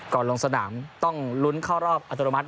ลงสนามต้องลุ้นเข้ารอบอัตโนมัติ